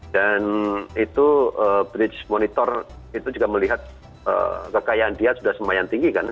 dan itu bridge monitor itu juga melihat kekayaan dia sudah semuanya tinggi kan